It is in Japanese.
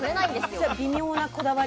それは微妙なこだわり？